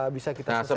bisa kita selesaikan